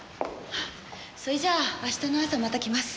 それじゃあ明日の朝また来ます。